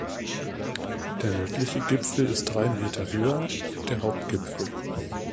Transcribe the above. Der nördliche Gipfel ist drei Meter höher und der Hauptgipfel.